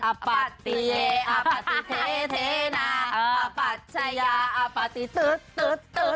อัปติเทอัปติเทเทนาอัปติตทุทธน์